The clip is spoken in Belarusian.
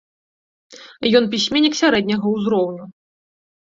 Ён пісьменнік сярэдняга ўзроўню.